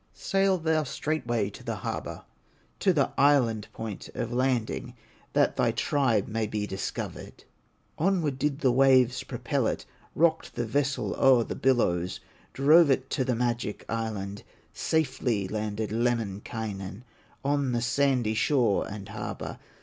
Sail thou straightway to the harbor, To the island point of landing That thy tribe may be discovered." Onward did the waves propel it, Rocked his vessel o'er the billows, Drove it to the magic island, Safely landed Lemminkainen On the sandy shore and harbor.